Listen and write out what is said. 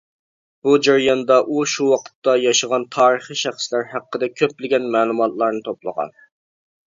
بۇ جەرياندا ئۇ شۇ ۋاقىتتا ياشىغان تارىخىي شەخسلەر ھەققىدە كۆپلىگەن مەلۇماتلارنى توپلىغان.